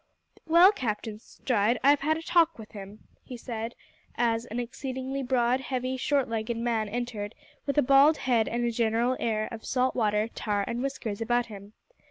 "Well, Captain Stride, I've had a talk with him," he said, as an exceedingly broad, heavy, short legged man entered, with a bald head and a general air of salt water, tar, and whiskers about him.